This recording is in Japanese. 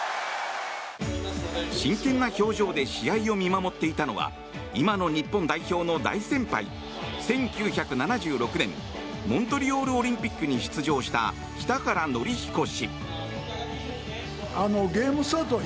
真剣な表情で試合を見守っていたのは今の日本代表の大先輩１９７６年モントリオールオリンピックに出場した北原憲彦氏。